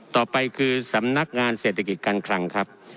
ต่อไปคือสำนักงานเศรษฐกิจการคลังครับ